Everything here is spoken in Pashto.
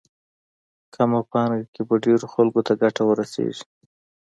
کمه پانګه کې به ډېرو خلکو ته ګټه ورسېږي.